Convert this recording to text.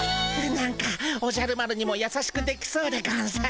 なんかおじゃる丸にもやさしくできそうでゴンス。